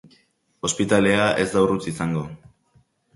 Ospitalea ez da urruti izango.